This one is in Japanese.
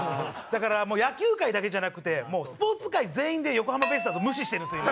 だから野球界だけじゃなくてもうスポーツ界全員で横浜ベイスターズを無視してるんですよ